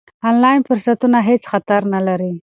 آنلاین فرصتونه هېڅ خطر نه لري.